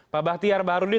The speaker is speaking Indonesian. pak bahtiar pak arudin